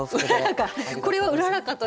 これはうららかという。